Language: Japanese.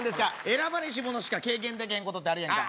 選ばれし者しか経験できへんことってあるやんか